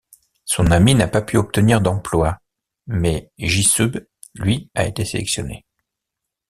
Son ami n'a pas pu obtenir d'emploi, mais Ji-sub, lui, a été sélectionné.